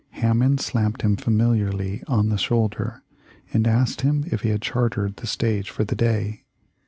Hammond slapped him familiarly on the shoulder, and asked him if he had chartered the stage for the day.